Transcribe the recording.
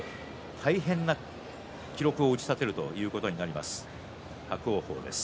大変な記録を打ちたてることになります伯桜鵬です。